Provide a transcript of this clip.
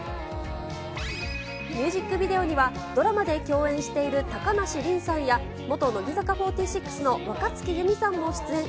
ミュージックビデオには、ドラマで共演している高梨臨さんや、元乃木坂４６の若月佑美さんも出演。